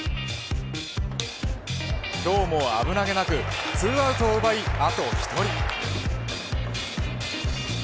今日も危なげなく２アウトを奪いあと１人。